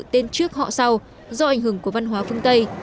tên trước họ sau do ảnh hưởng của văn hóa phương tây